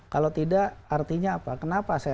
kalau tidak artinya apa kenapa saya